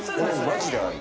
マジであり。